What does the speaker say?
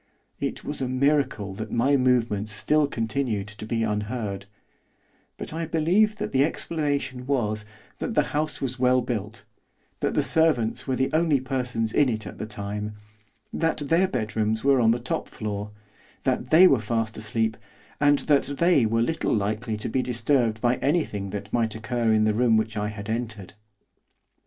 It was a miracle that my movements still continued to be unheard, but I believe that the explanation was, that the house was well built; that the servants were the only persons in it at the time; that their bedrooms were on the top floor; that they were fast asleep; and that they were little likely to be disturbed by anything that might occur in the room which I had entered.